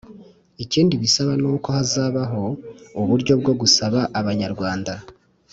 "ikindi bisaba ni uko hazabaho uburyo bwo gusaba abanyarwanda